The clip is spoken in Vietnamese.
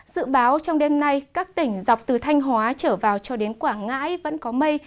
dự báo trong đêm nay các tỉnh dọc từ thanh hóa trở vào cho đến quảng ngãi vẫn có mây